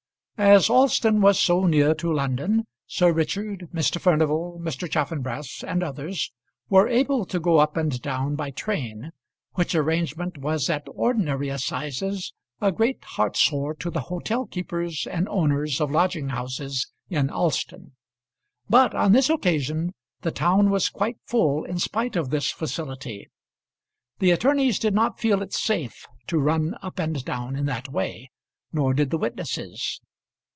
As Alston was so near to London, Sir Richard, Mr. Furnival, Mr. Chaffanbrass, and others, were able to go up and down by train, which arrangement was at ordinary assizes a great heartsore to the hotel keepers and owners of lodging houses in Alston. But on this occasion the town was quite full in spite of this facility. The attorneys did not feel it safe to run up and down in that way, nor did the witnesses.